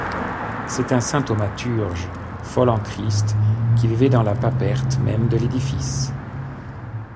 C'est un saint thaumaturge, fol-en-Christ, qui vivait dans le paperte même de l'édifice.